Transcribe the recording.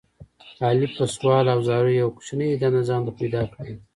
علي په سوال او زاریو یوه کوچنۍ دنده ځان ته پیدا کړله.